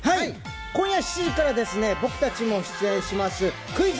今夜７時から僕たちも出演します、『クイズ！